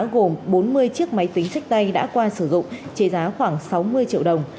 gồm bốn mươi chiếc máy tính sách tay đã qua sử dụng trị giá khoảng sáu mươi triệu đồng